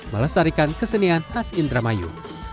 melestarikan kesenian khas indramayu